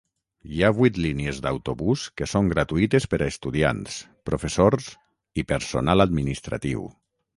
Hi ha vuit línies d'autobús que són gratuïtes per a estudiants, professors i personal administratiu.